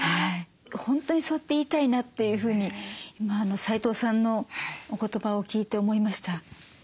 本当にそうやって言いたいなというふうに齋藤さんのお言葉を聞いて思いました。